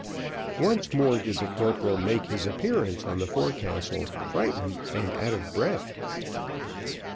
Once more did the corporal make his appearance on the forecastle, frightened and out of breath.